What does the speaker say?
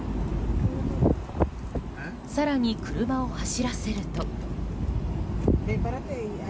更に車を走らせると。